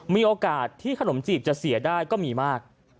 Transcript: มีโอกาสที่ขนมจีบจะเสียได้ก็มีมาก